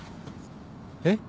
えっ？